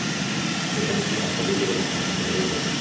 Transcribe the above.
উঠে বসে অন্য হাতটা দিয়ে বিড়ালের কোমর শক্ত করে ধরলেন।